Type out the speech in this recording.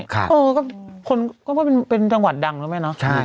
เออก็ค้นก็เป็นจังหวัดดั่งรึไหมนะ